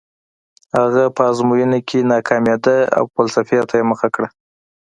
هغه په ازموینو کې ناکامېده او فلسفې ته یې مخه کړه